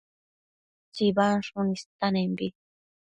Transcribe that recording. tsibansshun istanembi